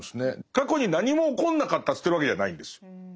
過去に何も起こんなかったって言ってるわけじゃないんです。